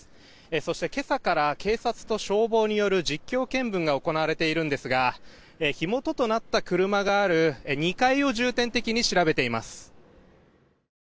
そして今朝から警察と消防による実況見分が行われているんですが火元となった車がある２階を重点的に調べています。